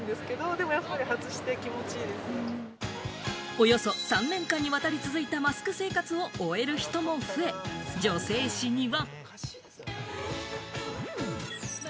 およそ３年間にわたり続いたマスク生活を終える人も増え、女性誌には。